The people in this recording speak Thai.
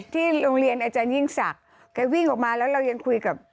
ที่โรงเรียนอาจารยิ่งศักดิ์แกวิ่งออกมาแล้วเรายังคุยกับ